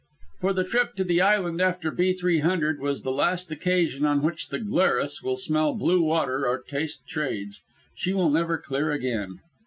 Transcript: For the trip to the island after B. 300 was the last occasion on which the Glarus will smell blue water or taste the trades. She will never clear again.